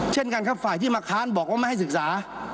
เช่นกันครับฝ่ายที่มาค้านบอกว่าไม่ให้ศึกษา